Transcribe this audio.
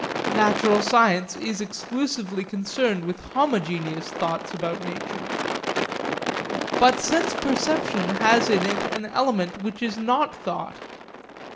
Natural science is exclusively concerned with homogeneous thoughts about nature. But sense perception has in it an element which is not thought.